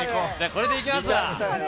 これでいきます。